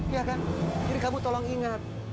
jadi kamu tolong ingat